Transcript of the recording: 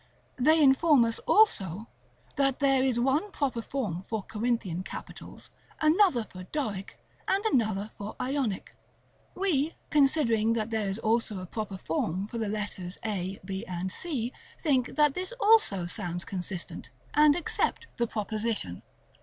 They inform us also that there is one proper form for Corinthian capitals, another for Doric, and another for Ionic. We, considering that there is also a proper form for the letters A, B, and C, think that this also sounds consistent, and accept the proposition.